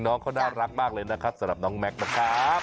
น้องเขาน่ารักมากเลยนะครับสำหรับน้องแม็กซ์นะครับ